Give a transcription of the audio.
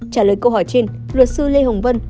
trả lời câu hỏi trên luật sư lê hồng vân